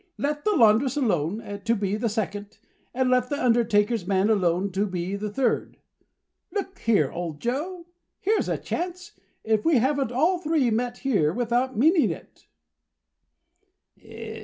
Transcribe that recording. "Let the laundress alone to be the second; and let the undertaker's man alone to be the third. Look here, old Joe, here's a chance! If we haven't all three met here without meaning it!"